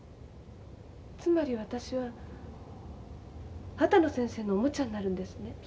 つまり私は秦野先生のおもちゃになるんですね？